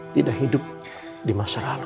tidak hidup di masa lalu